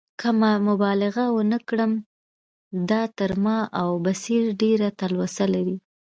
که مبالغه ونه کړم، دا تر ما او بصیر ډېره تلوسه لري.